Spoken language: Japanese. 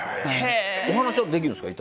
お話はできるんですか？